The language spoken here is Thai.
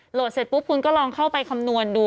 เสร็จปุ๊บคุณก็ลองเข้าไปคำนวณดู